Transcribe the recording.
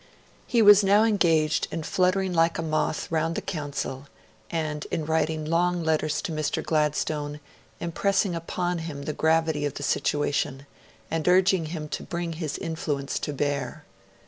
He was now engaged in fluttering like a moth round the Council and in writing long letters to Mr. Gladstone, impressing upon him the gravity of the situation, and urging him to bring his influence to bear.